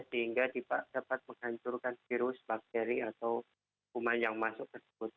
sehingga dapat menghancurkan virus bakteria atau kuman yang masuk ke tubuh